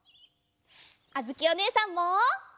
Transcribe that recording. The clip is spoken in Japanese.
あづきおねえさんも。